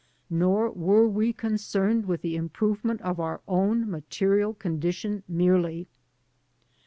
Nor were we concerned with the improvement of our own material condition merely.